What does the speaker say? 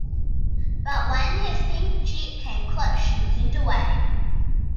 But when his pink cheek came close she leaned away.